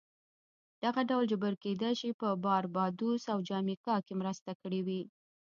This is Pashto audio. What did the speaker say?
دغه ډول جبر کېدای شي په باربادوس او جامیکا کې مرسته کړې وي